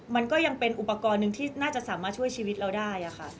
มันก็ยังเป็นอุปกรณ์หนึ่งที่น่าจะสามารถช่วยชีวิตเราได้ค่ะ